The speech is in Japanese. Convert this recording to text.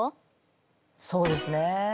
そうですね。